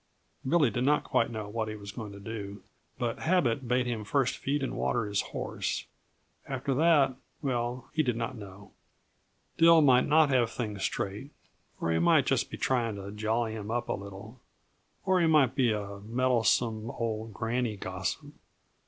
Billy did not quite know what he was going to do, but habit bade him first feed and water his horse. After that well, he did not know. Dill might not have things straight, or he might just be trying to jolly him up a little, or he might be a meddlesome old granny gossip.